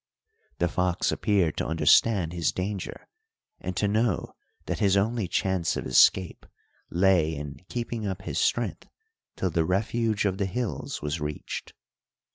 The fox appeared to understand his danger and to know that his only chance of escape lay in keeping up his strength till the refuge of the hills was reached.